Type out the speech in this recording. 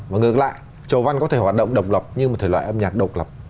và ngược lại trầu văn có thể hoạt động độc lập như một thể loại âm nhạc độc lập